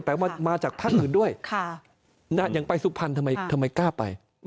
แต่มาจากภาคอื่นด้วยอย่างไปสุพรรณทำไมกล้าไป